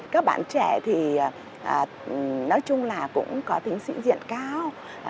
các bạn trẻ thì nói chung là cũng có tính sĩ diện cao